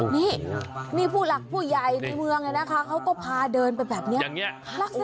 นี่มีผู้หลักผู้ใหญ่ในเมืองนะคะเขาก็พาเดินไปแบบนี้อย่างนี้